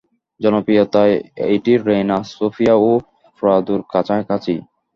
জনপ্রিয়তায় এটি Reyna Sophia ও প্রাদোর কাছাকাছিই।